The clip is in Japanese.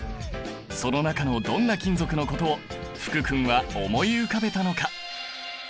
その中のどんな金属のことを福君は思い浮かべたのか。